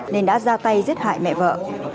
nên đã ra tay giết hại mẹ vợ